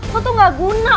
lo tuh gak guna